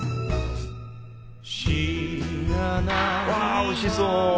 うわおいしそう！